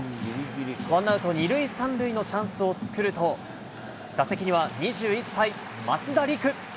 ワンアウト２塁３塁のチャンスを作ると、打席には２１歳、増田陸。